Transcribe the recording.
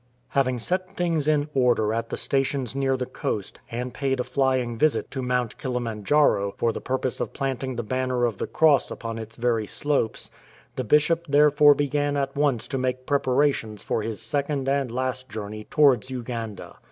Having set things in order at the stations near the coast, and paid a flying visit to Mount Kilimanjaro for the purpose of planting the banner of the cross upon its very slopes, the Bishop therefore began at once to make preparations for his second and last journey towards Uganda.